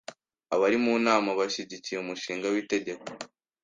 Abari mu nama bashyigikiye umushinga w'itegeko .